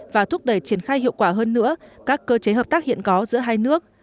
và thúc đẩy triển khai hiệu quả hơn nữa các cơ chế hợp tác hiện có giữa hai nước